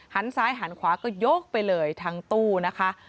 ซ้ายหันขวาก็ยกไปเลยทั้งตู้นะคะ